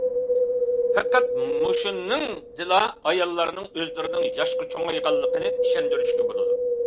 پەقەت مۇشۇنىڭدىلا ئاياللارنىڭ ئۆزلىرىنىڭ ياشقا چوڭايغانلىقىنى ئىشەندۈرۈشكە بولىدۇ.